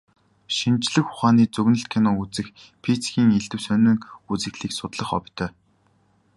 Шинжлэх ухааны зөгнөлт кино үзэх, физикийн элдэв сонин үзэгдлийг судлах хоббитой.